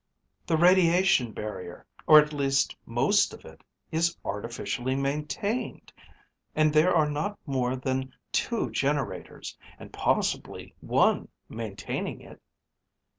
"The radiation barrier, or at least most of it, is artificially maintained. And there are not more than two generators, and possibly one, maintaining it."